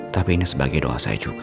tapi ini sebagai doa saya juga